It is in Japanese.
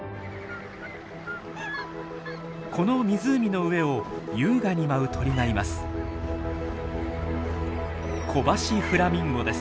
この湖の上を優雅に舞う鳥がいます。